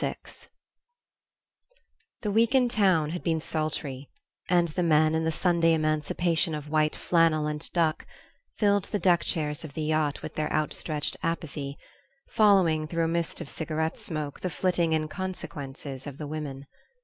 VI THE week in town had been sultry, and the men, in the Sunday emancipation of white flannel and duck, filled the deck chairs of the yacht with their outstretched apathy, following, through a mist of cigarette smoke, the flitting inconsequences of the women.